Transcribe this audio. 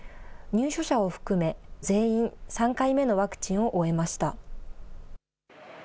入所者を含め、全員３回目のワクチンを終えました。